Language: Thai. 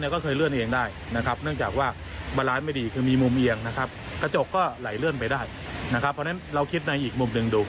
แกอธิบายให้ฟังแบบนี้ครับ